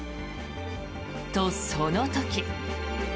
と、その時。